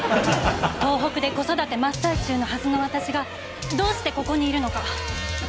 東北で子育て真っ最中のはずの私がどうしてここにいるのか。